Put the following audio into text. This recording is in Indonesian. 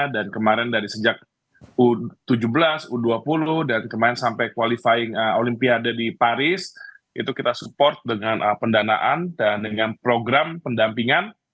kemarin dari sejak u tujuh belas u dua puluh dan kemarin sampai qualifying olimpiade di paris itu kita support dengan pendanaan dan dengan program pendampingan